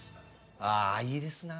ああいいですな。